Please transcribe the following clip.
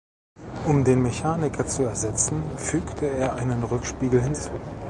Um den Mechaniker zu ersetzen, fügte er einen Rückspiegel hinzu.